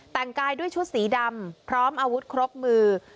แต่งกายด้วยชุดสีดำพร้อมอาวุธครบมือ